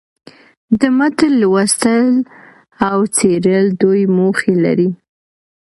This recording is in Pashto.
د متن لوستل او څېړل دوې موخي لري.